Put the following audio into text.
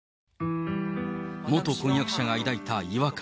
元婚約者が抱いた違和感。